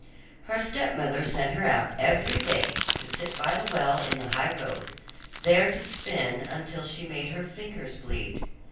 Her stepmother sent her out every day to sit by the well in the high road, there to spin until she made her fingers bleed.